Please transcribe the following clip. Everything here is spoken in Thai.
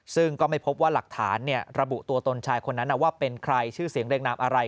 ซึ่งก็ไม่พบว่าหลักฐานระบุตัวตนชายคนนั้นว่าเป็นใครชื่อเสียงเรียงนามอะไร